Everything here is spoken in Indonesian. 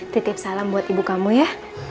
titip salam buat ibu kamu ya